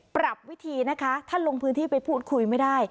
ปรับวิธีนะคะท่านลงพื้นที่ไปพูดคุยไม่ได้